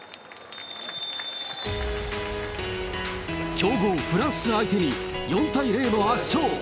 強豪フランス相手に、４対０の圧勝。